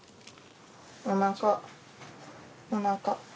おなかおなか。